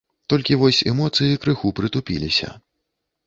Толькі вось эмоцыі крыху прытупіліся.